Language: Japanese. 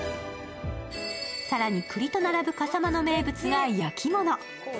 更にくりと並ぶ笠間の名物が焼き物。